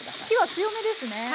火は強めですね？